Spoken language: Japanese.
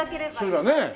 そうだよね。